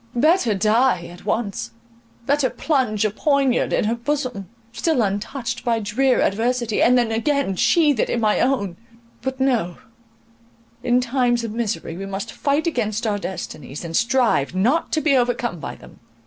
Better die at once—better plunge a poinard in her bosom, still untouched by drear adversity, and then again sheathe it in my own! But, no; in times of misery we must fight against our destinies, and strive not to be overcome by them.